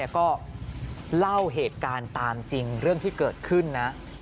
ก็เล่าเหตุการณ์ตามจริงเรื่องที่เกิดขึ้นนะ